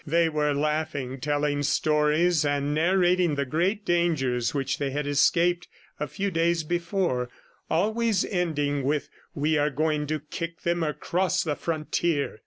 They were laughing, telling stories, and narrating the great dangers which they had escaped a few days before, always ending with, "We are going to kick them across the frontier!"